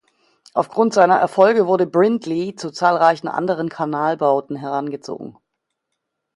Aufgrund seiner Erfolge wurde Brindley zu zahlreichen anderen Kanalbauten herangezogen.